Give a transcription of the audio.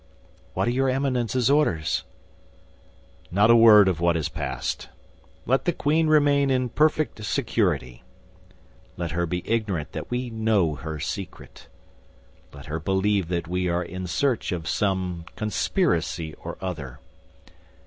"What are your Eminence's orders?" "Not a word of what has passed. Let the queen remain in perfect security; let her be ignorant that we know her secret. Let her believe that we are in search of some conspiracy or other.